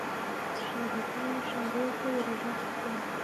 شادي خان ښارو ته ور ږغ کړل.